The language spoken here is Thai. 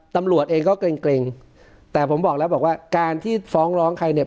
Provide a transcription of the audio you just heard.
ตำรวจเองก็เกร็งเกร็งแต่ผมบอกแล้วบอกว่าการที่ฟ้องร้องใครเนี่ย